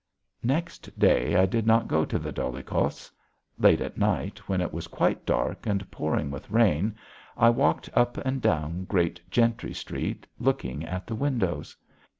Next day I did not go to the Dolyhikovs'. Late at night, when it was quite dark and pouring with rain, I walked up and down Great Gentry Street, looking at the windows.